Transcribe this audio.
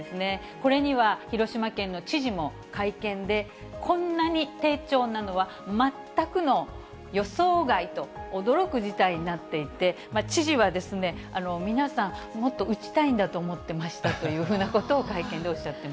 これには広島県の知事も会見で、こんなに低調なのは全くの予想外と、驚く事態になっていて、知事は皆さん、もっと打ちたいんだと思ってましたということを会見でおっしゃっ